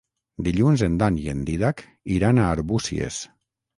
Dilluns en Dan i en Dídac iran a Arbúcies.